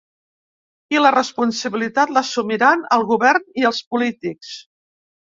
I la responsabilitat l’assumiran el govern i els polítics.